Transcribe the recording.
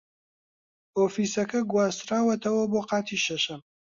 ئۆفیسەکە گواستراوەتەوە بۆ قاتی شەشەم.